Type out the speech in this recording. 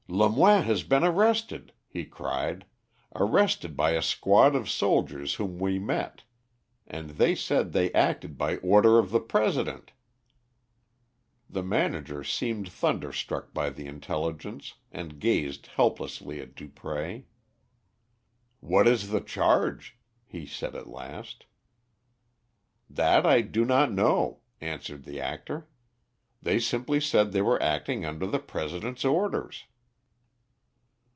"Lemoine has been arrested," he cried; "arrested by a squad of soldiers whom we met, and they said they acted by order of the President." The manager seemed thunderstruck by the intelligence, and gazed helplessly at Dupré. "What is the charge?" he said at last. "That I do not know," answered the actor. "They simply said they were acting under the President's orders."